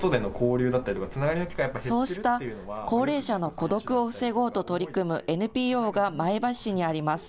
そうした高齢者の孤独を防ごうと取り組むＮＰＯが前橋市にあります。